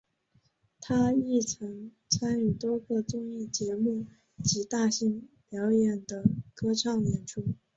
他亦曾参与多个综艺节目及大型表演的歌唱演出。